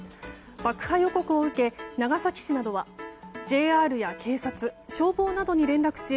爆破予告を受け、長崎市などはＪＲや警察、消防などに連絡し